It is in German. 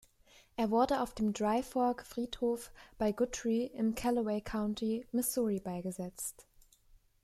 Er wurde auf dem Dry Fork Friedhof bei Guthrie im Callaway County, Missouri beigesetzt.